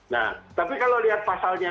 nah tapi kalau lihat pasalnya